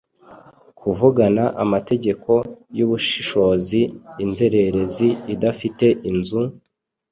Kuvugana amategeko yubushishozi inzererezi idafite inzu,